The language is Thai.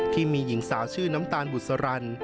ที่มีหญิงสาวชื่อน้ำตาลบุษรัน